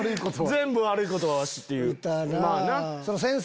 全部悪いことはワシっていう。